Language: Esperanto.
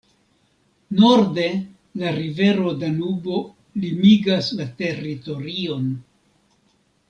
Norde la rivero Danubo limigas la teritorion.